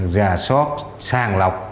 ra sót sàng lọc